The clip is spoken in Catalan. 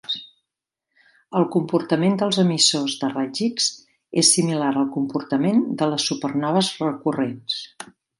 El comportament dels emissors de raigs X és similar al comportament de les supernoves recurrents.